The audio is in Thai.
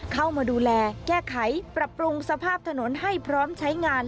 เข้ามาดูแลแก้ไขปรับปรุงสภาพถนนให้พร้อมใช้งาน